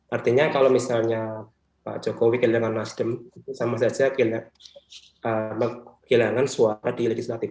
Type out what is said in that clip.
artinya kalau misalnya pak jokowi kehilangan nasdem sama saja kehilangan suara di legislatif